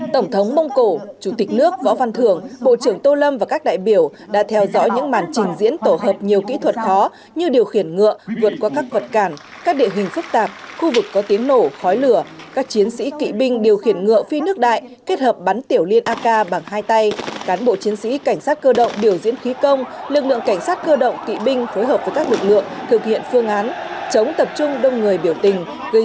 tổng thống mông cổ chủ tịch nước võ văn thưởng bộ trưởng tô lâm và các đại biểu đã theo dõi những màn trình diễn tổ hợp nhiều kỹ thuật khó như điều khiển ngựa vượt qua các vật cản các địa hình phức tạp khu vực có tiếng nổ khói lửa các chiến sĩ kỵ binh điều khiển ngựa phi nước đại kết hợp bắn tiểu liên ak bằng hai tay cán bộ chiến sĩ cảnh sát cơ động điều diễn khí công lực lượng cảnh sát cơ động kỵ binh phối hợp với các lực lượng thực hiện phương án chống tập trung đông người biểu tình gây dối an